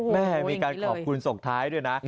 แม่มีการขอบคุณส่งท้ายด้วยนะ